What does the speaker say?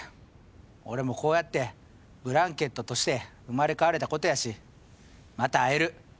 俺もこうやってブランケットとして生まれ変われたことやしまた会える。